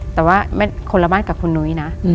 แต่ว่าคนละบ้านกับคุณนุ้ยนะ